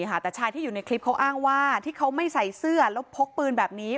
แต่ชายที่อยู่ในคลิปเขาอ้างว่าที่เขาไม่ใส่เสื้อแล้วพกปืนแบบนี้